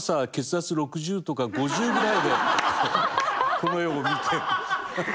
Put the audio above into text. この絵を見て。